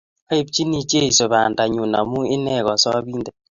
Aipchini Jesu banda nyun amu ine kosobindet